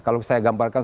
kalau saya gambarkan